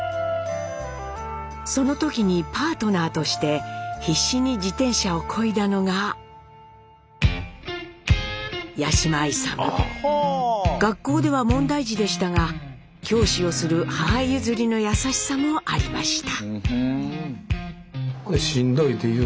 その時にパートナーとして必死に自転車をこいだのが学校では問題児でしたが教師をする母譲りの優しさもありました。